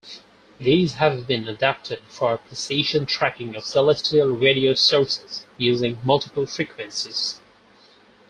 These have been adapted for precision tracking of celestial radio sources using multiple frequencies.